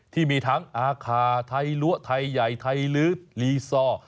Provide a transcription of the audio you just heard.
ที่มีทั้งอาคาไทยลัวไทยใหญ่ไทยลื้อลีซอร์